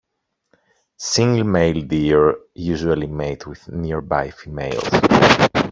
Single male deer usually mate with nearby females.